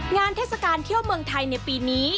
เทศกาลเที่ยวเมืองไทยในปีนี้